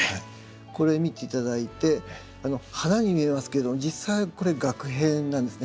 これ見て頂いて花に見えますけど実際はこれ萼片なんですね。